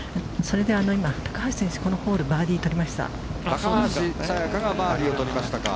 それで今、高橋選手このホールバーディーを取りました。